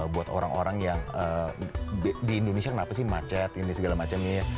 buat orang orang yang di indonesia kenapa sih macet ini segala macemnya